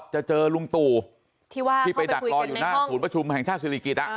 จะเจอลุงตู่ที่ไปดักรออยู่หน้าศูนย์ประชุมแห่งชาติศิริกิจ